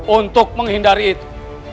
untuk menghindari itu